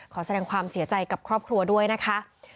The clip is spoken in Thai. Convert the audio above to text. ขอแสดงความเสียใจกับครอบครัวด้วยนะคะ